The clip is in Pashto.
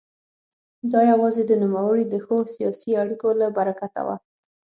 دا یوازې د نوموړي د ښو سیاسي اړیکو له برکته وه.